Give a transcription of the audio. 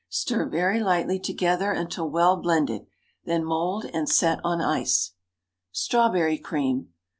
Stir very lightly together until well blended; then mould and set on ice. _Strawberry Cream.